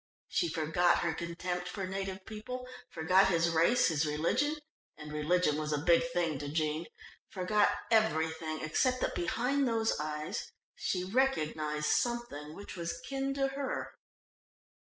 She forgot her contempt for native people, forgot his race, his religion (and religion was a big thing to Jean), forgot everything except that behind those eyes she recognised something which was kin to her.